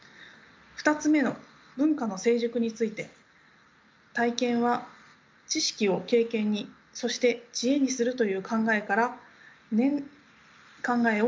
２つ目の文化の成熟について体験は知識を経験にそして知恵にするという考えを持っています。